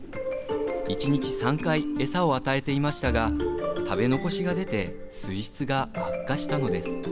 １日３回、餌を与えていましたが食べ残しが出て水質が悪化したのです。